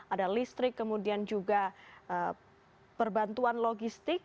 ada listrik kemudian juga perbantuan logistik